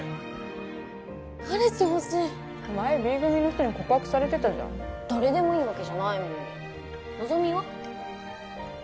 彼氏ほしい前Ｂ組の人に告白されてたじゃん誰でもいいわけじゃないもん希美は？